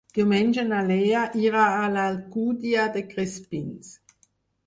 Diumenge na Lea irà a l'Alcúdia de Crespins.